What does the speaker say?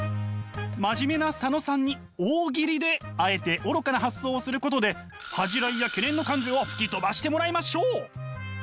真面目な佐野さんに大喜利であえて愚かな発想をすることで恥じらいや懸念の感情を吹き飛ばしてもらいましょう！